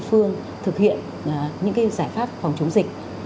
địa phương thực hiện những cái giải pháp phòng chống dịch